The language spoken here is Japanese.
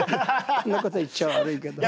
こんなこと言っちゃ悪いけど。